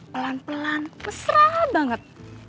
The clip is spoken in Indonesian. pelan pelan mesra banget